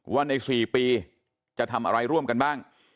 ว่าใน๔ปีจะทำอะไรร่วมกันบ้าง